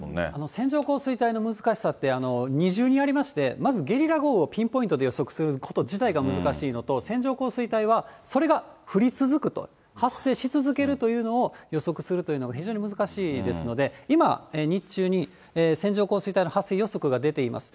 線状降水帯の難しさって二重にありまして、まずゲリラ豪雨をピンポイントで予測すること自体が難しいのと、線状降水帯はそれが降り続くと、発生し続けるというのを予測するというのが非常に難しいですので、今、日中に線状降水帯の発生予測が出ています。